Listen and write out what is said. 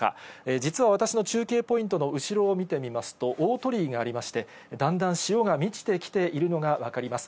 実は私の中継ポイントの後ろを見てみますと、大鳥居がありまして、だんだん潮が満ちてきているのが分かります。